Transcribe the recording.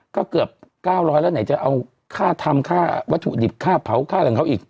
ก็เกือบ๙๐๐แล้วไหนจะเอาค่าทำค่าวัตถุดิบค่าเผาค่าอะไรของเขาอีก